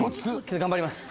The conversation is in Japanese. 頑張ります。